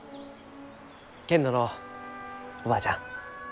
けんどのうおばあちゃん。